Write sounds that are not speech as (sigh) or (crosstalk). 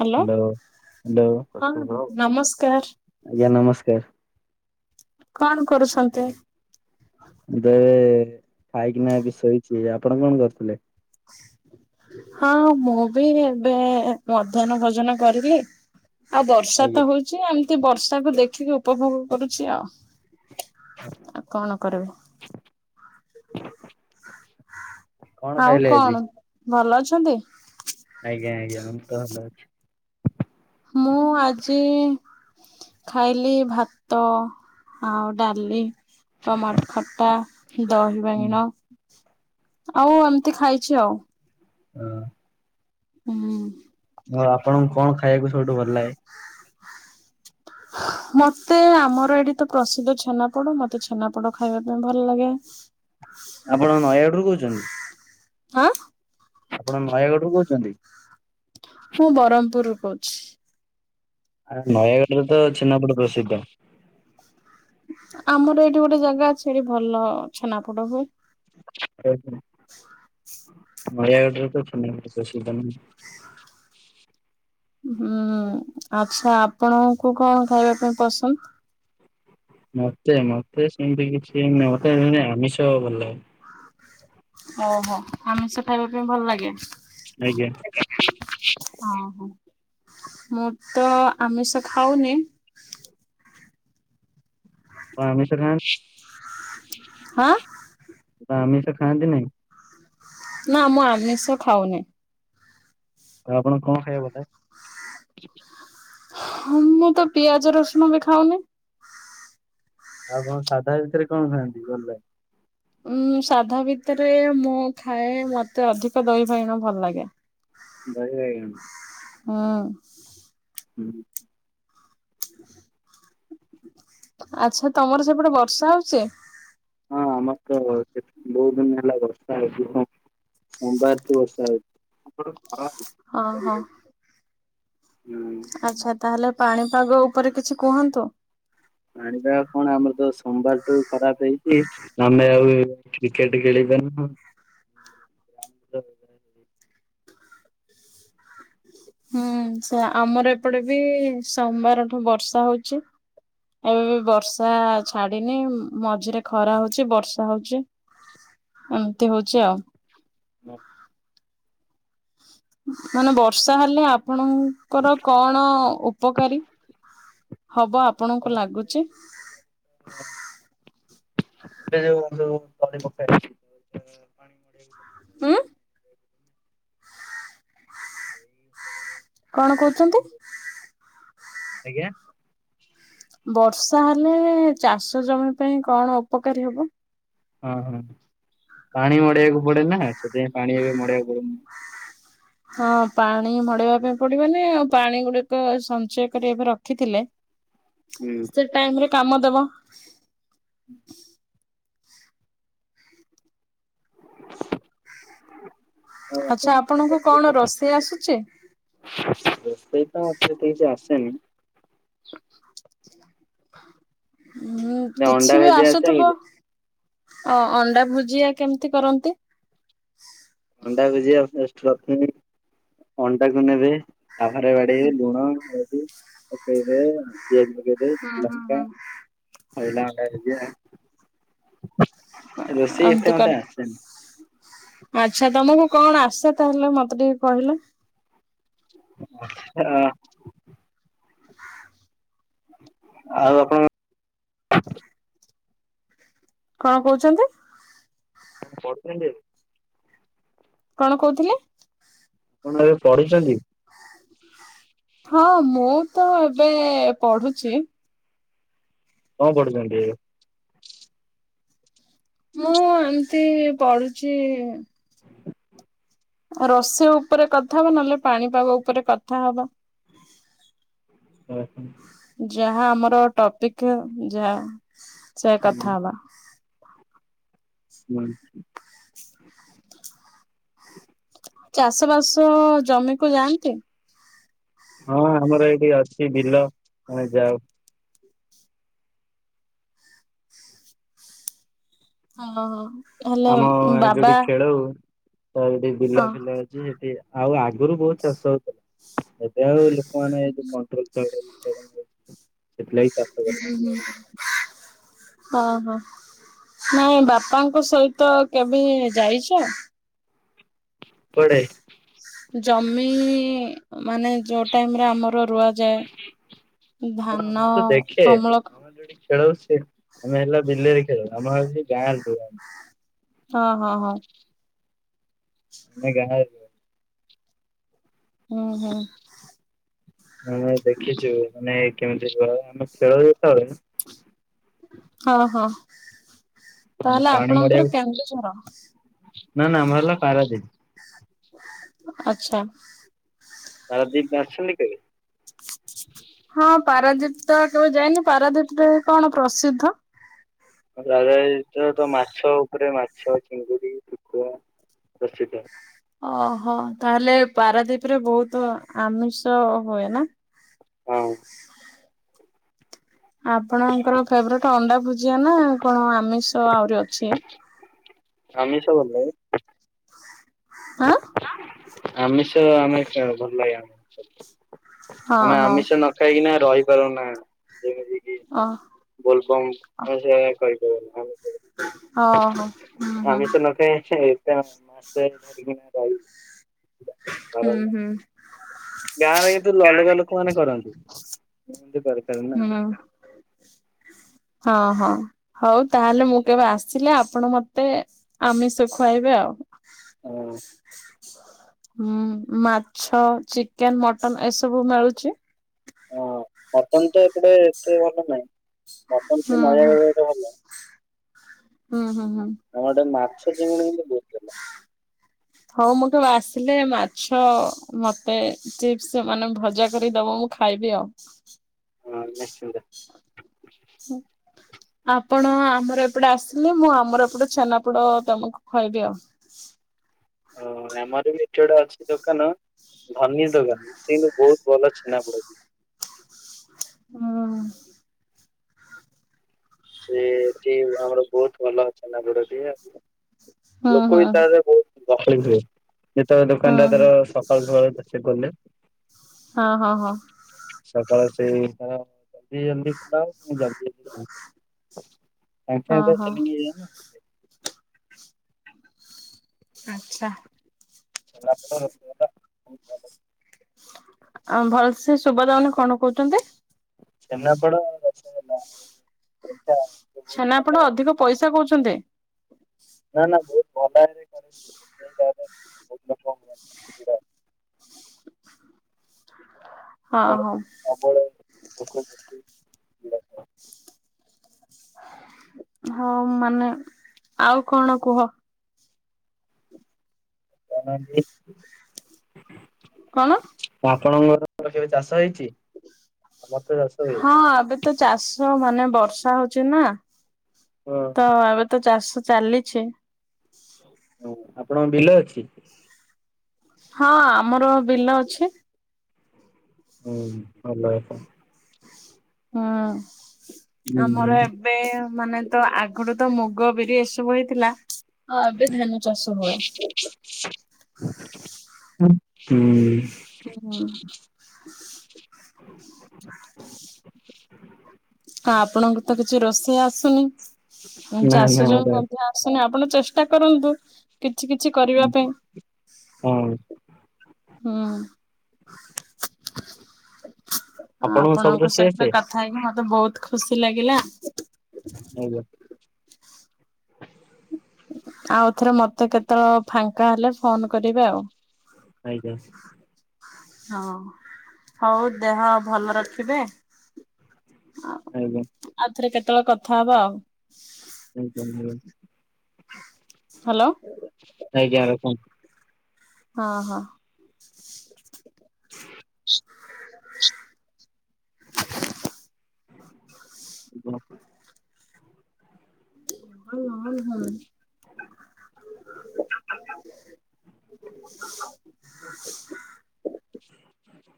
Hello hello ହଁ hello ନମସ୍କାର ଆଜ୍ଞା ନମସ୍କାର । କଣ କରୁଛନ୍ତି । ଦେ ଖାଇକିନା ବ ଏବେ ଶୋଇଛି ଆପଣ କଣ କରୁଥିଲେ । ହଁ ମୁଁ ବି ଏବେ ମଧ୍ୟାହ୍ନ ଭୋଜନ କରିଲି । ଆଉ ବର୍ଷା ଆଜ୍ଞା ତ ହଉଛି ଏମିତି ବର୍ଷାକୁୁ ଦେଖିକି ଉପଭୋଗ କରୁଛି ଆଉ । ଆଉ କଣ କରିବୁ । କଣ ଖାଇଲେ ଆଜି । ଭଲ ଅଛନ୍ତି । ଆଜ୍ଞା ଆଜ୍ଞା ମୁଁ ତ ଭଲ ଅଛି । ମୁଁ ଆଜି । ଖାଇଲି ଭାତ ଆଉ ଡାଲି । ଟମାଟ ଖଟା ଦହି ବାଇଁଗିଣ । ଆଉ ଏମିତି ଖାଇଛି ଆଉ । ହଁ। ହୁଁ । ହଁ ଆପଣଙ୍କୁ କଣ ଖାଇବାକୁ ସବୁଠୁ ଭଲ ଲାଗେ । ହ ମତେ ଆମର ଏଇଠି ତ ପ୍ରସିଦ୍ଧ ଛେନାପୋଡ ମତେ ଛେନାପୋଡ ଖାଇବା ପାଇଁ ଭଲ ଲାଗେ । ଆପଣ ନୟାଗଡ଼ରୁୁ କହୁଛନ୍ତି । ଆଁ । ଆପଣ ନୟାଗଡ଼ରୁୁ କହୁଛନ୍ତି । ମୁଁ ବରମପୁର ରୁ କହୁଛି । ଆ ନୟାଗଡ଼ ରେ ତ ଛେନାପୋଡ଼ ପ୍ରସିଦ୍ଧ। ଆମର ଏଇଠି ଗୋଟେ ଜାଗା ଅଛି ସେଠି ଭଲ ଛେନାପୋଟ ହୁଏ । ଆଉ ହ ନୟାଗଡ ରେ ଛେନା ପୋଡ ପ୍ରସିଧ। ହୁଁ ଆଚ୍ଛା ଆପଣଙ୍କୁ କଣ ଖାଇବା ପାଇଁ ପସନ୍ଦ । ମତେ ମୋତେ ସେମିତି କିଛି ମତେ ଆମିଷ ଭଲ ଲଗେ । ଓହୋ ଆମିଷ ଖାଇବା ପାଇଁ ଭଲ ଲାଗେ । ଆଜ୍ଞା । ଓହୋ। ମୁଁ ତ ଆମିଷ ଖାଉନି । ଆପଣ ଆମିସ ଖା ହାଁ । ଆମିଷ ଖାଆନ୍ତି ନାହିଁ। ନା ମୁଁ ଆମିଷ ଖାଉନି । ଆଉ ଆପଣ କଣ ଖାଇବାକୁ ଭଲ ଲାଗେ। ହଁ ମୁଁ ତ ପିଆଜ ରସୁଣ ବି ଖାଉନି। ଆଉ କଣ ସାଧା ଭିତରେ କଣ ଖାନ୍ତି ଭଲ । ଉଁ ସାଧ ଭିତରେ ମୁଁ ଖାଏ ମତେ ଅଧିକ ଦହି ବାଇଗଣ ଭଲ ଲାଗେ । ଦହି ବାଇଗଣ । ହୁଁ। ହୁଁ । ଆଚ୍ଛା ତମର ସେପଟେ ବର୍ଷା ହଉଛି । ହଁ ଆମର ତ କେ ବହୁତ ଦିନ ହେଲା ବର୍ଷା (inaudible) ସୋମବାର ଠୁ ବର୍ଷା ହଉଚି । ହଁ ହଁ । ହୁଁ ଆଚ୍ଛା ତାହେଲେ ପାଣିପାଗ ଉପରେ କିଛି କୁହନ୍ତୁ । ଆାଣିବା କଣ ଆମର ତ ସୋମବାରଠୁ ଖରାପ ହେଇଛି ଆମେ ଆଉ କ୍ରିକେଟ ଖେଳି ାମ ହୁଁ ସେ ଆମର ଏପଟେ ବି ସୋମବାରଠୁ ବର୍ଷା ହଉଛି ଏବେ ବି ବର୍ଷା ଛାଡିିନି ମଝିରେ ଖରା ହଉଚ ବର୍ଷା ହଉଚ ଏମିତି ହଉଛି ଆଉ ହ ମାନେ ବର୍ଷା ହେଲେ ଆପଣଙ୍କର କଣ ଉପକାରୀ ହବ ଆପଣଙ୍କୁ ଲାଗୁଛି ଏ ଯେ ପକା ପାଣି ହମ୍ଁ ପଡୁଥିଲା। ଏଇ କଣ କହୁଛନ୍ତି ଆଜ୍ଞା ବର୍ଷା ହେଲେ ଚାଷ ଜମି ପାଇଁ କଣ ଉପକାରୀ ହବ ହଁ ହ ପାଣି ମଡେଇବାକୁ ପଡେ ନା ସେଥିପାଇଁ ପାଣି ଏବେ ମଡେଇବାକୁ ପଡୁନି ହଁ ପାଣି ମଡେଇବା ପାଇଁ ପଡିବନି ଆଉ ପାଣି ଗୁଡିକ ସଞ୍ଚୟ କରି ଏବେ ରଖିଥିଲେ ହୁଁ ସେ ଟାଇମରେ କାମ ଦେବ ଆଉ ଆଚ୍ଛା ଆପଣଙ୍କ ଆପଣଙ୍କୁ ରାତିରେ କଣ ରୋଷେଇ ଆସୁଛି ସେଇ ତ ଅ ସେ ସେ ଯେ ଆସେନି ହଁ ନା ଅଣ୍ଡା କିଛି ବି ଭୁଜିଆ ଆସେ ଆସୁଥିବ ଅ ଅଣ୍ଡା ଭୁଜିଆ କେମିତି କରନ୍ତି ଅଣ୍ଡା ଭୁଜିଆ ଫାଷ୍ଟ ପ୍ରଥମେ ଅଣ୍ଡା କ ନେବେ ଆଭାରେ ବାଡେଇବେ ଲୁଣ ପିଲମଙ୍କା ପଇିଲ ହୁଁ ହୁଁ ହୁଁ। ଭଣ୍ଡ ହେ ରୋଷେଇ ଏମତି ଏତେ ମତେ କର ଆସିନ ହଁ ଆଚ୍ଛା ତମକୁ କଣ ଆସେ ତାହେଲେ ମତେ ଟିକେ କହିଲେ ହ ଆଉ ଆପଣ କଣ କହୁଛନ୍ତି ପତଣ୍ଡ କଣ କହୁଥିଲେ କଣ ଏବେ ପଢିଛନ୍ତି ହଁ ମୁଁ ତ ଏବେ ପଢୁଛି ହଁ ପଡ଼ଦଣ୍ଡ ମୁଁ ଏମିତି ପଢୁଛି ରୋଷେଇ ଉପରେ କଥା ହବ ନହେଲେ ପାଣିପାଗ ଉପରେ କଥା ହବ ହ ହୋ ଯାହା ଆମର ଟପିକ ଯାହା ସେ କଥା ହବା ବ ଚାଷ ବାସ ଜମିକୁୁ ଯାଆନ୍ତି ହଁ ଆମର ଏଇଠି ଅଛି ବିଲ ଆମେ ଯାଉ ହଁ ହ ହେଲେ ବାବା ତଠି ବିଲ ହଁ। ଫିଲା ଅଛି ସେଠି ଆଉ ଆଗରୁ ବହୁତ ଚାଷ ହଉଥିଲା ଏବେ ଆଉ କ କଣ୍ଟ୍ରୋଲ ଚଛି ହ ହଁ କରୁନାହାନ୍ତି ଆଉ। ହଁ ହଁ ନାଇଁ ବାପାଙ୍କ ସହିତ କେବେ ଯାଇଛ ପଡ଼େ। ଜମି ମାନେ ଯୋଉ ଟାଇମ ରେ ଆମର ରୁଆଯାଏ । ହଁ ଧାନ ମୁଁ ତ ଦେଖେ ଅମଳ। ଆମର ଯୋଉଠି ଖେଳ ସେ ଆମେ ହେଲା ବିଲେରେ ଖେଳ ଆମ ହଉଛି ଗାଁରେ ଖେଳ (unintelligible) ହଁ ହଁ ହଁ। ଆମେ ଗାଁରେ ଖେଳ। ଉହୁଁ । ଉଁ। ହଁ ହଁ ତାହେଲେ ପାଣି ଆପଣଙ୍କର ମଡିଆକୁ କେନ୍ଦୁଝର। ନା ନା ଆମ ହେଲା ପାରାଦ୍ଵୀପ । ଆଚ୍ଛା । ପାରାଦ୍ଵୀପ ଆସିଛନ୍ତି କେବେ? ହଁ ପାରାଦ୍ବୀପ ତ କେବେ ଯାଇନି ପାରାଦ୍ବୀପ ରେ କଣ ପ୍ରସିଦ୍ଧ? ପାରାଦ୍ବୀପ ତ ତ ମାଛ ଉପରେ ମାଛ ଚିଙ୍ଗୁଡ଼ି ପୁକ । ପ୍ରସିଦ୍ଧ। ଓହୋ ତାହେଲେ ପାରାଦ୍ବୀପ ରେ ବହୁତ ଆମିଷ ହୁଏ ନା । ହଁ। ଆପଣଙ୍କର ଫେବରେଟ ଅଣ୍ଡା ଭୁଜିଆ ନା କଣ ଆମିଷ ଆହୁରି ଅଛି? ଆମିଷ ଭଲ । ଆଁ । ଆମିଷ ଆମେ ଛୁଆବେ (unintelligible) ଭଲପାଇବା ହଁ ଆମେ (unintelligible) ହଁ ଆମିଷ ନ ଖାଇକିନା ରହି ତାର ନା (unintelligible) ଅ ବୋଲବମ୍ ସେ କହି ଓହୋ ହୁଁ ଆମିଷ ହୁଁ ନ ଖାଇ (unintelligible) ହୁଁ ହୁଁ । ଗାଁରେ ଏତୁ ଅଲଗା ଲୋକ ମାନେ କରନ୍ତି। ମୁଁ ତ କରିପାରେ ନା। ହଁ ହଁ ହଉ ତାହେଲେ ମୁଁ କେବେ ଆସିଲେ ଆପଣ ମତେ ଆମିଷ ଖୁଆଇବେ ଆଉ । ହଁ। ହୁଁ ମାଛ, ଚିକେନ, ମଟନ ଏସବୁ ମିଳୁଛି। ହଁ ମଟନ ତ ଏପଟେ ଏତେ ଭଲ ନାଇଁ ମଟନ ସେ ହୁଁ ହୁଁ। ନୟାଗଡ଼ ରେ ଏକା ଭଲ । ହୁଁ ହୁଁ । ଆମ ଆଡ଼େ ମାଛ ଚିଙ୍ଗୁଡ଼ି ହେଲେ ବହୁତ ଭଲ । ହଉ ମୁଁ ତ ଆସିଲେ ମାଛ ମତେ ଚିପ୍ସ ମାନେ ଭଜା କରିଦବ ମୁଁ ଖାଇବି ଆଉ। ହଁ ନିଶ୍ଚିତ। ଚିଂ। ଆପଣ ଆମର ଏପଟେ ଆସିଲେ ମୁଁ ଆମର ଏପଟେ ଛେନାପୋଡ ତମକୁ ଖୁଆଇବି ଆଉ । ହ ଆମର ବି ଏଠି ଗୋଟେ ଅଛି ଦୋକାନ ଧନି ଦୋକାନୀ କିନ୍ତୁ ବହୁତ ଭଲ ଛେନାପୋଡ଼ ଦି ହୁଁ। ସେଠି ଆମର ବହୁତ ଭଲ ଛେନାପୋଡ ଦିଏ ଆଉ। ହଁ ହଁ । ଗହଳି ବି (inaudible) ହୁଏ । ସେ ତ ଦୋକାନ ଟା ତାର ସକାଳୁ ସକାଳୁ ପଛେ ଖୋଲେ। ହଁ ହଁ ହଁ। ସକାଳେ ସେଇ ତ ଜଲଦି ଜଲଦି ଖୋଲା ହବ ପୁଣି ଜଲଦି ସାଙ୍ଗେ ସାଙ୍ଗେ ହଁ ତ ହଁ ଚାଲି କି ଯିବ ନା । ଆଚ୍ଛା । ଛେନାପୋଡ଼, ରସବରା। ଆ ଭଲସେ ଶୁଭାଯାଉନି କଣ କହୁଛନ୍ତି? ଛେନାପୋଡ, ରସଗୋଲା ମିିଠା । ଛେନାପୋଡ଼ ଅଧିକ ପଇସା କହୁଛନ୍ତି। ନା ନା ବୋହୁତ ଭଲ ଭାବରେ (unintelligible) ବୋହୁତ ଭଲ। ହଁ ହୋଉ। ତାଙ୍କର (unintelligible) ହଁ ମାନେ ଆଉ କଣ କୁହ? (unintelligible) କଣ? ଆପଣଙ୍କର କେବେ ଚାଷ ହେଇଚି। ହଁ ଏବେ ତ ଚାଷ ମାନେ ବର୍ଷା ହୋଉଚି ନା। ହଁ ତ ଏବେତ ଚାଷ ଚାଲିଚି। ହୋଉ ଆପଣଙ୍କ ବିଲ ଅଛି? ହଁ ଆମର ବିଲ ଅଛି। ହୁଁ (unintelligible) ହୁଁ ଆମର ହୁଁ ଏବେ ମାନେ ତ ଆଗରୁ ତ ମୁଗ ବିରି ଏସବୁ ହେଇଥିଲା। ହଁ ଏବେ ଧାନ ଚାଷୁ ହଏ। (unintelligible) ହୁଁ, ହୁଁ। ଆପଣଙ୍କତ କିଛି ରୋଷେଇ ଆସୁନି ଉଁ ନା ଚାଷ ନା ଯୋଉ ଏଇଟା ମଧ୍ୟ ଆସୁନି ଆପଣ ଚେଷ୍ଟା କରନ୍ତୁ କିଛି କିଛି କରିବା ପାଇଁ। ହଁ ହୁଁ। ଆପଣଙ୍କୁ ସବୁ ଆପଣଙ୍କ ରୋଷେଇ ଆସେ? ସହିତ କଥା ହେଇକି ମତେ ବୋହୁତ ଖୁସି ଲାଗିଲା। ଆଜ୍ଞା। (unintelligible) ଆଉ ଥରେ ମତେ କେତେବେଳେ ଫାଙ୍କା ହେଲେ ଫୋନ କରିବେ ଆଉ। ନାଇତ ହଁ ହୋଉ ଦେହ ଭଲ ରଖିବେ। ଆଜ୍ଞା। ଆଉ ଥରେ କେତେବେଳେ କଥା ହବା ଆଉ। (unintelligible) ହ୍ୟାଲୋ ଆଜ୍ଞା ରଖନ୍ତୁ। ହଁ ହଁ। ଭ (unintelligible) ଉଁ ଉଁ ହୁଁ। (inaudible)